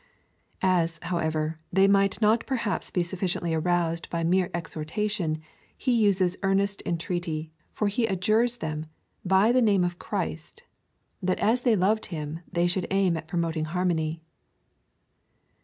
'' As, however, they might not perhaps be sufficiently aroused by mere exhortation, he uses earnest entreaty, for he adjures them, hy the name of Christ, that, as they loved him, they should aim at promoting harmony.